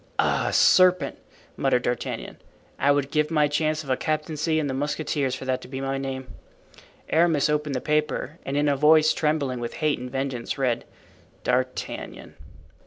"Ah! serpent," muttered D'Artagnan, "I would give my chance of a captaincy in the mousquetaires for that to be my name." Aramis opened the paper, and in a voice trembling with hate and vengeance read "D'Artagnan."